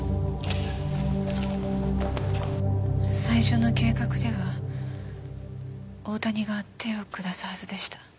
最初の計画では大谷が手を下すはずでした。